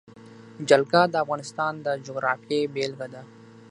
جلګه د افغانستان د جغرافیې بېلګه ده.